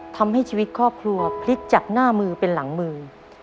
ทำให้ชีวิตครอบครัวพลิกจากหน้ามือเป็นหลังมือ